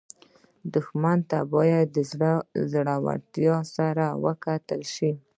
دښمن ته باید زړورتیا سره وکتل شي